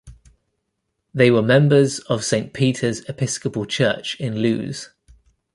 They were members of Saint Peter's Episcopal Church in Lewes.